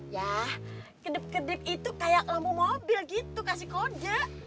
yah kedip kedip itu kayak lampu mobil gitu kasih kode